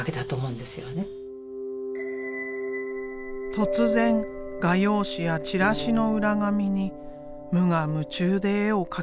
突然画用紙やチラシの裏紙に無我夢中で絵を描き始めた。